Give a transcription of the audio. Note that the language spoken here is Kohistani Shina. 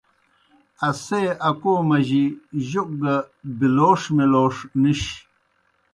اسے اکو مجی جوک گہ بِلَوݜ مِلَوݜ نِش۔